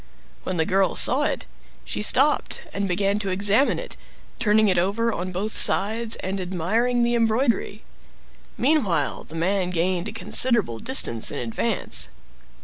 When the girl saw it, she stopped and began to examine it; turning it over on both sides, and admiring the embroidery. Meanwhile the man gained a considerable distance in advance.